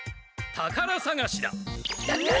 たからさがし！？